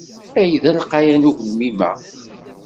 Ay d alqayan ugelmim-a!